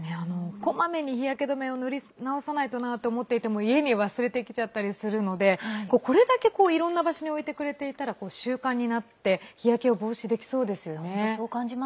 こまめに日焼け止めを塗り直さないとなと思っていても家に忘れてきちゃったりするのでこれだけ、いろんな場所に置いてくれていたら習慣になって日焼けを防止できそうですよね。